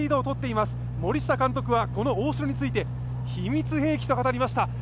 森下監督はこの大城について秘密兵器と語りました。